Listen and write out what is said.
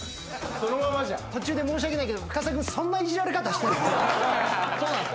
そのままじゃん途中で申し訳ないけど深澤くんそんないじられ方してんの？